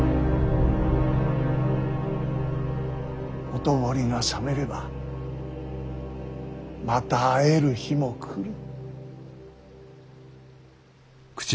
ほとぼりが冷めればまた会える日も来る。